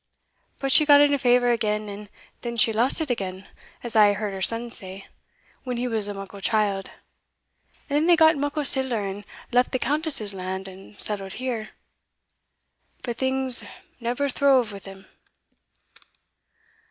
But she got into favour again, and then she lost it again, as I hae heard her son say, when he was a muckle chield; and then they got muckle siller, and left the Countess's land, and settled here. But things never throve wi' them.